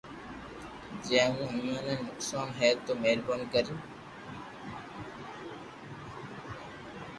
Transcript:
جي مون اپو ني نقسون ھي تو مھربوبي ڪرين